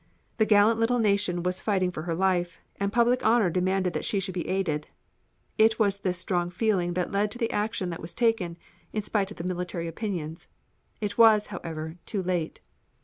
The gallant little nation was fighting for her life, and public honor demanded that she should be aided. It was this strong feeling that led to the action that was taken, in spite of the military opinions. It was, however, too late.